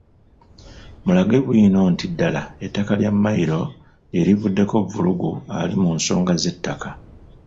Mulage bwino nti ddala ettaka lya Mmayiro lye livuddeko vvulugu ali mu nsonga z’ettaka.